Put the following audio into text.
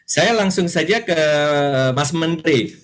saya langsung saja ke mas menteri